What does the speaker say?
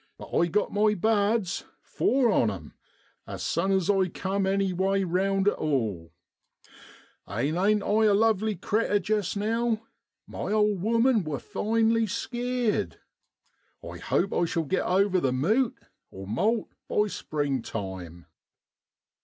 But I got my bards four on 'em, as sun as I cum anyway round at all. Ane ain't I a lovely critter jest now ? My old woman wor finely skeered. I hope I shall get over the * mute ' (moult) by springtime.'